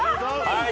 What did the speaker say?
はい。